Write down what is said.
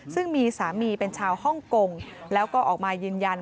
ซึ่งมีสามีเป็นชาวฮ่องกงแล้วก็ออกมายืนยัน